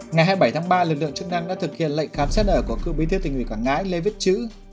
ngày hai mươi bảy tháng ba lực lượng chức năng đã thực hiện lệnh khám xét ở của cựu bí thư tỉnh ủy quảng ngãi lê viết chữ